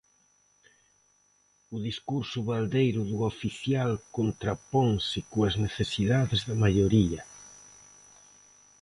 O discurso baldeiro do oficial contraponse coas necesidades da maioría.